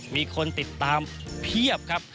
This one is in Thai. มีคนติดตามเพียบครับ